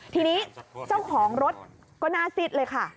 ทีนี้เจ้าของรถก็น่าสิทธิ์เลยค่ะ